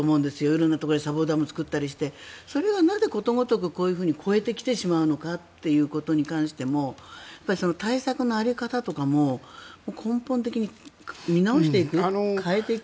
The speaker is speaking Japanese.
色んな所で砂防ダムを作ったりしてそれがなぜことごとく乗り越えてくるかということについても対策の在り方とかも根本的に見直していく変えていく。